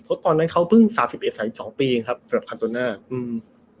เพราะตอนนั้นเขาเพิ่งสามสิบเอ็ดสามสิบสองปีเองครับสำหรับคันโตน่าอืม